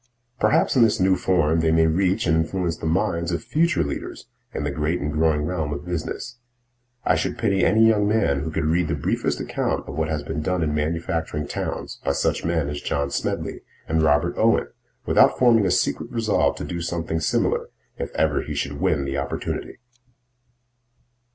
Perhaps in this new form they may reach and influence the minds of future leaders in the great and growing realm of business. I should pity any young man who could read the briefest account of what has been done in manufacturing towns by such men as John Smedley and Robert Owen without forming a secret resolve to do something similar if ever he should win the opportunity.